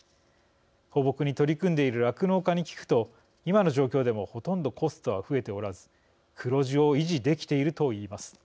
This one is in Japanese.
放牧に取り組んでいる酪農家に聞くと、今の状況でもほとんどコストは増えておらず黒字を維持できていると言います。